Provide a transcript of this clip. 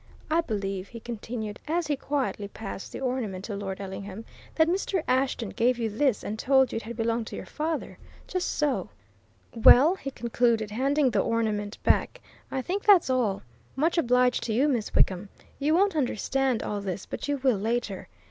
"I believe," he continued, as he quietly passed the ornament to Lord Ellingham, "that Mr. Ashton gave you this and told you it had belonged to your father? Just so! Well," he concluded, handing the ornament back, "I think that's all. Much obliged to you, Miss Wickham. You won't understand all this, but you will, later.